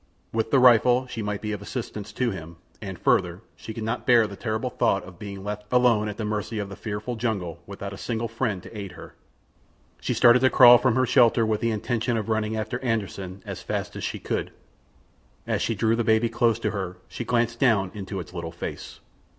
With the rifle she might be of assistance to him, and, further, she could not bear the terrible thought of being left alone at the mercy of the fearful jungle without a single friend to aid her. She started to crawl from her shelter with the intention of running after Anderssen as fast as she could. As she drew the baby close to her she glanced down into its little face.